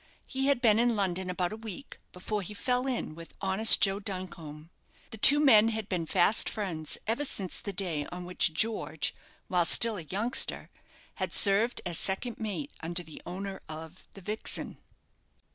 He had been in London about a week before he fell in with honest Joe Duncombe. The two men had been fast friends ever since the day on which George, while still a youngster, had served as second mate under the owner of the "Vixen."